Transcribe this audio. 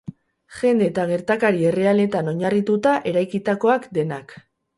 Jende eta gertakari errealetan oinarrituta eraikitakoak denak.